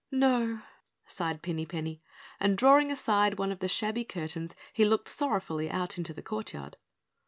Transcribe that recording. "No," sighed Pinny Penny, and drawing aside one of the shabby curtains he looked sorrowfully out into the courtyard.